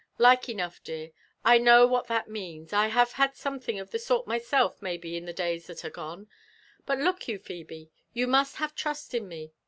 "Like enough, dear; I know what that means r I have had some thing of the sort myself maybe in tlie days that are gone. But look you, Phebe, you must have trust in me.